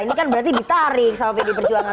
ini kan berarti ditarik sama pd perjuangan